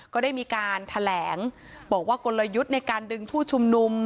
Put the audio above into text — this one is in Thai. ก็ได้มีการแถลงบอกว่ากลยุทธ์ในการดึงผู้ชุมนุม